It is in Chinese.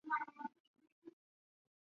马约里安。